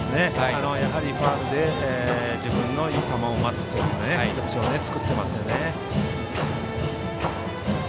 ファウルで自分のいい球を待つという形を作っていますよね。